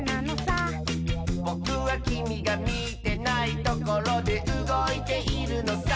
「ぼくはきみがみてないところでうごいているのさ」